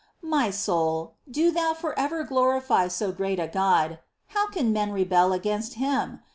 3. My soul, do thou for ever glorify so great a God. How can men rebel against Him